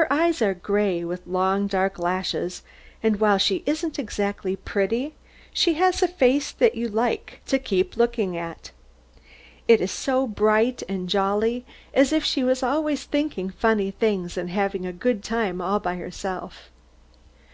Her eyes are gray, with long dark lashes, and while she isn't exactly pretty, she has a face that you like to keep looking at. It is so bright and jolly, as if she was always thinking funny things, and having a good time all to herself.